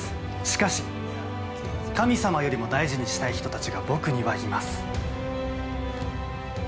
しかし、神様よりも大事にしたい人たちが、僕にはいます。